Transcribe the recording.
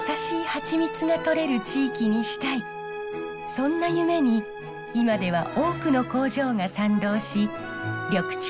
そんな夢に今では多くの工場が賛同し緑地化の輪が広がっています。